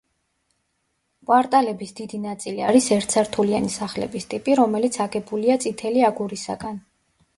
კვარტალების დიდი ნაწილი არის ერთსართულიანი სახლების ტიპი, რომელიც აგებულია წითელი აგურისაგან.